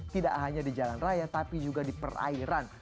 tidak hanya di jalan raya tapi juga di perairan